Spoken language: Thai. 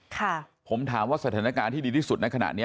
ค่ะผมถามว่าสถานการณ์ที่ดีที่สุดในขณะนี้